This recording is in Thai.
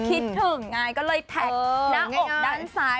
คิดถึงไงก็เลยแท็กหน้าอกด้านซ้าย